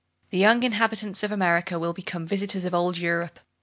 The young inhabitants of America will become visitors of old Europe.